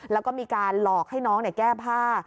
แล้วก็มีการหลอกให้น้องแก้ผ้า